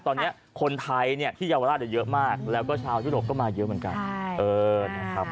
ตอนนี้คนไทยที่เยาวราชเยอะมากแล้วก็ชาวยุโรปก็มาเยอะเหมือนกัน